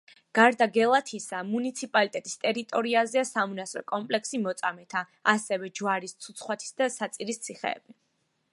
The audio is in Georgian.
გარდა გელათისა, მუნიციპალიტეტის ტერიტორიაზეა სამონასტრო კომპლექსი მოწამეთა, ასევე ჯვარის, ცუცხვათის და საწირის ციხეები.